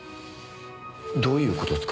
どういう事ですか？